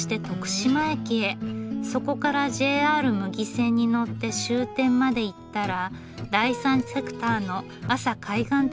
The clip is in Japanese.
そこからＪＲ牟岐線に乗って終点まで行ったら第三セクターの阿佐海岸鉄道へ。